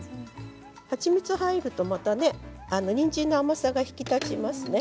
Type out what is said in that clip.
蜂蜜が入ると、またにんじんの甘さが引き立ちますね。